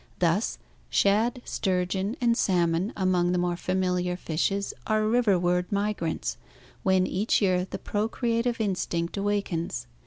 Thus, shad, sturgeon, and salmon among the more familiar fishes are riverward migrants, when each year the procreative instinct awakens.